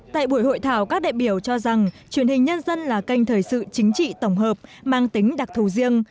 tại buổi hội thảo các đại biểu cho rằng truyền hình nhân dân là kênh thời sự chính trị tổng hợp mang tính đặc thù riêng